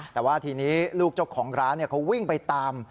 แต่ว่าทีนี้ลูกเจ้าของร้านเขาวิ่งไปตาม